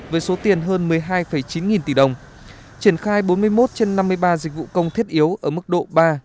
với số tiền hơn một mươi hai chín nghìn tỷ đồng triển khai bốn mươi một trên năm mươi ba dịch vụ công thiết yếu ở mức độ ba bốn